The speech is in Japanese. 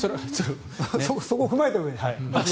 そこを踏まえたうえで。